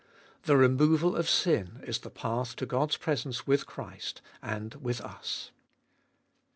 The removal of sin is the path to God's presence with Christ and with us.